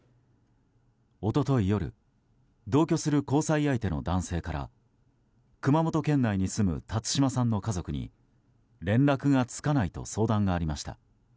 一昨日夜同居する交際相手の男性から熊本県内に住む辰島さんの家族に連絡がつかないと相談がありました。